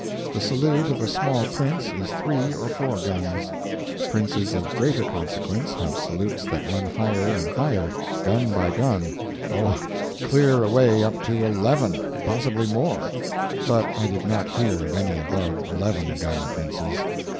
The salute of a small prince is three or four guns; princes of greater consequence have salutes that run higher and higher, gun by gun, oh, clear away up to eleven; possibly more, but I did not hear of any above eleven gun princes.